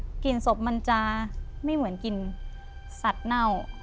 กลิ่นศพอะคะกลิ่นศพมันจะไม่เหมือนกลิ่นสัตว์เน่า